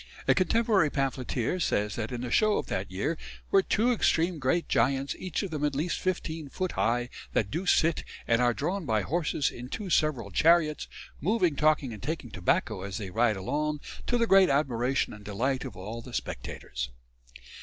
A contemporary pamphleteer says that in the Show of that year were "two extreme great giants, each of them at least 15 foot high, that do sit, and are drawn by horses in two several chariots, moving, talking, and taking tobacco as they ride along, to the great admiration and delight of all the spectators."